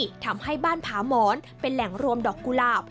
ทำให้บ้านผาหมอนเป็นแหล่งรวมดอกกุหลาบ